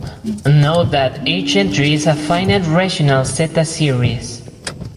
Note that each entry is a finite rational zeta series.